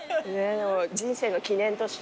人生の記念として。